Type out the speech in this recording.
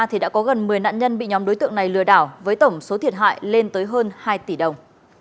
thì đã có gần một mươi nạn nhân bị nhóm đối tượng này lừa đảo với tổng số thiệt hại lên tới hơn hai tỷ đồng